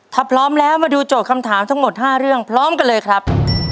ถ้าพร้อมแล้วมาดูโจทย์คำถามทั้งหมด๕เรื่องพร้อมกันเลยครับ